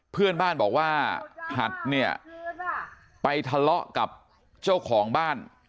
เพื่อนบ้านบอกว่าหัดเนี่ยไปทะเลาะกับเจ้าของบ้าน